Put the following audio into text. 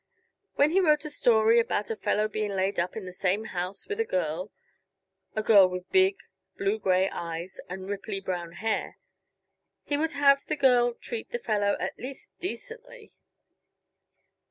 When he wrote a story about a fellow being laid up in the same house with a girl a girl with big, blue gray eyes and ripply brown hair he would have the girl treat the fellow at least decently.